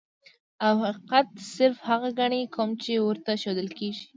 او حقيقت صرف هغه ګڼي کوم چي ورته ښودل کيږي.